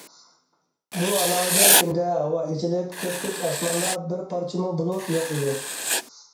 بۇ ئالاھىدە كۈندە ھاۋا ئېچىلىپ، كۆپكۆك ئاسماندا بىر پارچىمۇ بۇلۇت يوق ئىدى.